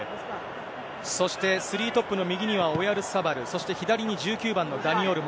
そしてスリートップの右には、オヤルサバル、そして左に１９番のダニ・オルモ。